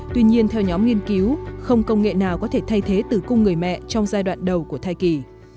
tuy nhiên theo nhóm nghiên cứu không công nghệ nào có thể thay thế từ cung người mẹ trong giai đoạn đầu của thai kỳ